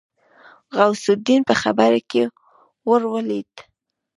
غوث الدين په خبره کې ورولوېد.